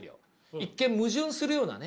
一見矛盾するようなね